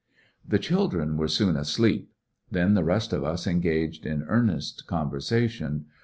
The children were soon asleep. Then the rest of us engaged in earnest conversation.